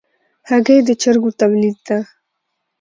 هګۍ د چرګو تولید ده.